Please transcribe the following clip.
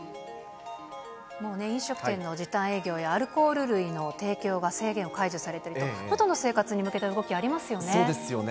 もうね、飲食店の時短営業やアルコール類の提供が制限を解除されて、元の生活に向けた動き、ありますよね。